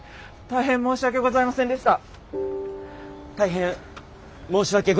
大変申し訳ございませんでした。